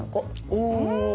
お！